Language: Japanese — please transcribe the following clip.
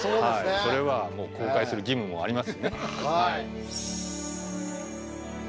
それはもう公開する義務もあります。